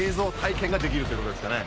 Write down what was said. ができるということですかね。